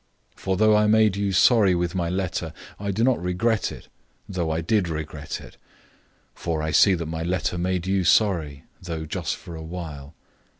007:008 For though I made you sorry with my letter, I do not regret it, though I did regret it. For I see that my letter made you sorry, though just for a while.